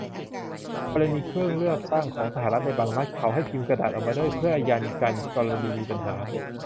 กรณีเครื่องเลือกตั้งของสหรัฐ ในบางรัฐ เขาให้พิมพ์กระดาษออกมาด้วย เพื่อยันกัน กรณีมีปัญหา